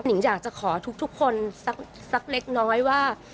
หญิงอยากจะขอทุกคนสักเล็กน้อยว่า